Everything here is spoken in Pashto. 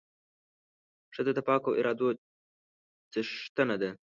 ښځه د پاکو ارادو څښتنه ده.